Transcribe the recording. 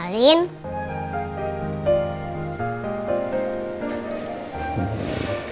aku mau ke rumah